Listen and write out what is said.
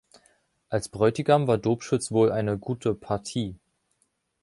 Als Bräutigam war Dobschütz wohl eine gute „Partie“.